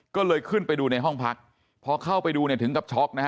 ก็เลยขึ้นไปดูในห้องพักพอเข้าไปดูเนี่ยถึงกับช็อกนะฮะ